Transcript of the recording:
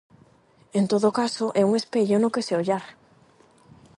En todo caso é un espello no que se ollar.